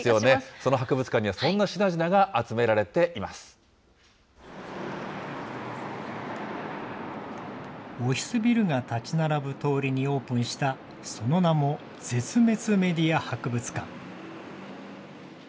その博物館には、そんな品々が集オフィスビルが建ち並ぶ通りにオープンしたその名も、絶滅メディア博物館。